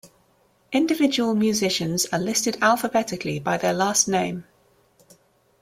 Individual musicians are listed alphabetically by their last name.